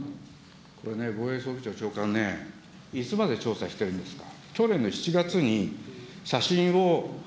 これね、防衛装備庁長官ね、いつまで調査してるんですか。